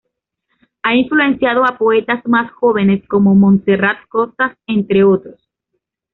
Ha influenciado a poetas más jóvenes como Montserrat Costas entre otros.